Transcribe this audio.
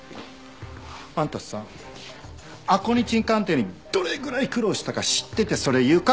あんたさアコニチン鑑定にどれぐらい苦労したか知っててそれ言うか？